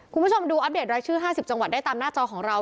คุณผู้ชมดูอัปเดตรายชื่อ๕๐จังหวัดได้ตามหน้าจอของเรา